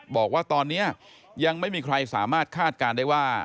บอกว่าตอนนี้ยังไม่มีใครสามารถคาดการณ์ได้ว่า